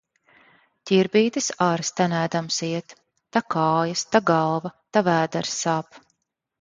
Ķirbītis ar’ stenēdams iet – ta kājas, ta galva, ta vēders sāp.